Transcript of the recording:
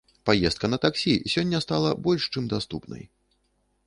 Паездка на таксі сёння стала больш, чым даступнай.